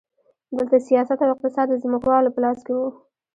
دلته سیاست او اقتصاد د ځمکوالو په لاس کې وو.